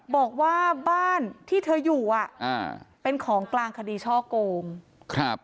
บอกว่าบ้านที่เธออยู่เป็นของกลางคดีช่อกลม